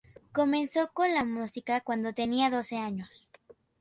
Comenzó con la música cuando tenía doce años.